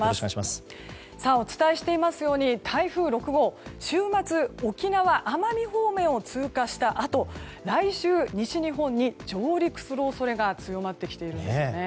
お伝えしていますように台風６号、週末沖縄、奄美方面を通過したあと来週、西日本に上陸する恐れが強まってきています。